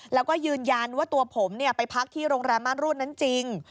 แล้วก็ยืนยันว่าตัวผมไปพักที่โรงแรมม่านรูดนั้นจริง